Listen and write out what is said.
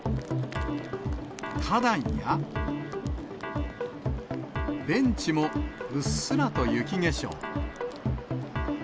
花壇や、ベンチもうっすらと雪化粧。